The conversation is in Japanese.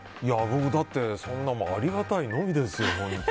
僕、だってそんなのありがたいのみですよ。